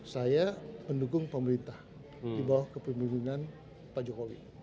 saya pendukung pemerintah di bawah kepemimpinan pak jokowi